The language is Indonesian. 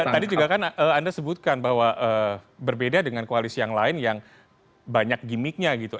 tadi juga kan anda sebutkan bahwa berbeda dengan koalisi yang lain yang banyak gimmicknya gitu